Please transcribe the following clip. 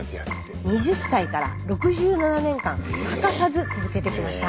２０歳から６７年間欠かさず続けてきました。